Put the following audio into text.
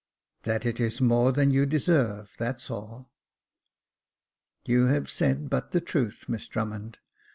"That it is more than you deserve, that's all." " You have said but the truth. Miss Drummond.